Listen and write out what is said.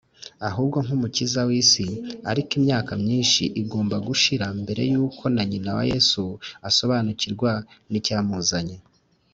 , ahubwo nk’Umukiza w’isi. Ariko imyaka myinshi igomba gushira mbere yuko na nyina wa Yesu asobanukirwa n’icyamuzanye